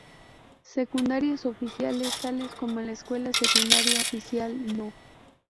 Secundarias oficiales tales como la Escuela secundaria oficial No.